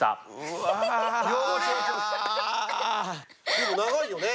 でも長いよね？